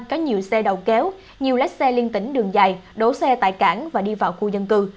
có nhiều xe đầu kéo nhiều lái xe liên tỉnh đường dài đổ xe tại cảng và đi vào khu dân cư